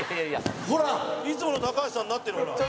いつもの高橋さんになってるもん、ほら。